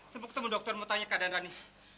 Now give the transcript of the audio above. sibuk ketemu dokter mau tanya keadaan rani